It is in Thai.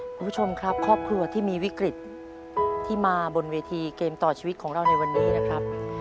คุณผู้ชมครับครอบครัวที่มีวิกฤตที่มาบนเวทีเกมต่อชีวิตของเราในวันนี้นะครับ